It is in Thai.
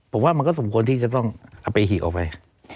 ผมว่ามันก็สมควรที่จะต้องเอาไปหีกออกไป